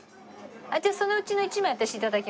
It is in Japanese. あっじゃあそのうちの１枚私頂きます。